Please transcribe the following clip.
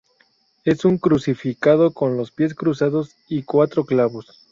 Es un crucificado con los pies cruzados y cuatro clavos.